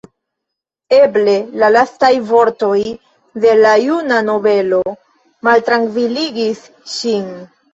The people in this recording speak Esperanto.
Eble la lastaj vortoj de la juna nobelo maltrankviligis ŝin.